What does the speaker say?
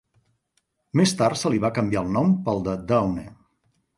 Més tard se li va canviar el nom pel de Downe.